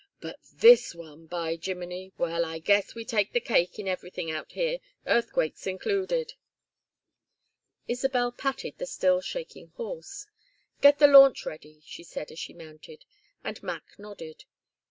"But this one! By Jiminy! Well, I guess we take the cake in everything out here, earthquakes included." Isabel patted the still shaking horse. "Get the launch ready," she said, as she mounted; and Mac nodded.